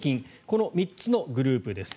この３つのグループです。